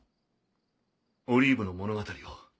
オリーブの物語を。